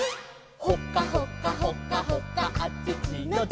「ほかほかほかほかあちちのチー」